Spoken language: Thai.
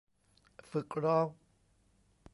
ฝึกร้อง